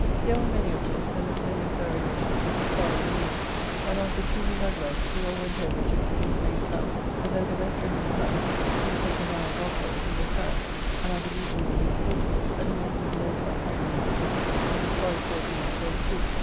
Here were many of his, and as many of her relations, sorry, mean people; and after choosing our gloves, we all went over to the Three Crane Tavern,' and though the best room in the house, in such a narrow dogg hole we were crammed, and I believe we were near forty, that it made me loathe my company and victuals; and a sorry poor dinner it was too.